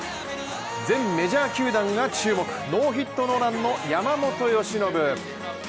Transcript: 全メジャー球団が注目、ノーヒットノーランの山本由伸。